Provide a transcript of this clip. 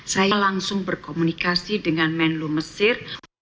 saya langsung berkomunikasi dengan menlu mesir